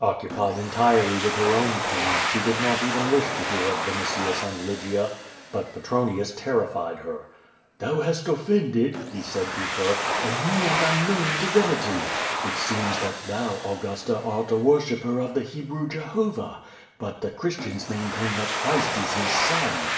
Occupied entirely with her own pain, she did not even wish to hear of Vinitius and Lygia. But Petronius terrified her. "Thou hast offended," he said to her, "a new and un knoAvn divinity. It seems tdiat thou, Augusta, art a wor shipper of the Hebrew Jehovah, but the Christians maintain that Christ is His Son.